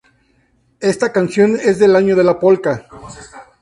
Esta canción es del año de la polca